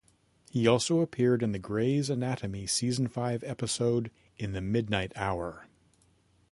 He also appeared in the "Grey's Anatomy" season five episode "In The Midnight Hour".